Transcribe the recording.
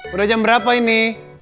udah jam berapa ini